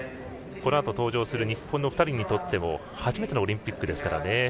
このあと登場する日本の２人にとっても初めてのオリンピックですからね。